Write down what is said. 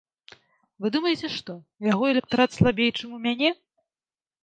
Вы думаеце, што, у яго электарат слабей, чым у мяне?